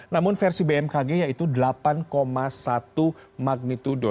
namun versi bmkg yaitu delapan satu magnitudo